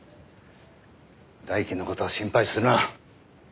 大輝の事は心配するな。